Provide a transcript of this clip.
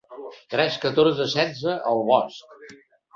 Tres catorze setze al bosc.